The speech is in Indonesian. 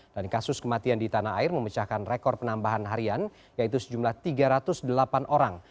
dan kasus kematian di tanah air memecahkan rekor penambahan harian yaitu sejumlah tiga ratus delapan orang